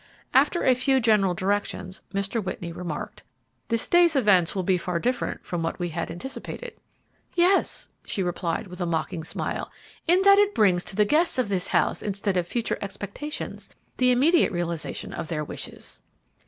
After a few general directions, Mr. Whitney remarked, "This day's events will be far different from what we had anticipated." "Yes," she replied, with a mocking smile, "in that it brings to the guests of this house, instead of future expectations, the immediate realization of their wishes!"